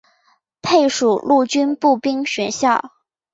配属陆军步兵学校。